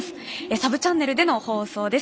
サブチャンネルでの放送です。